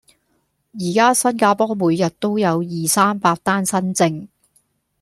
而家新加坡每日都有二、三百單新症